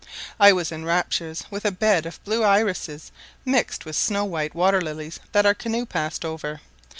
I was in raptures with a bed of blue irises mixed with snow white water lilies that our canoe passed over.